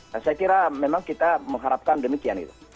saya kira memang kita mengharapkan demikian